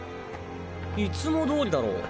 いつも通りだろ？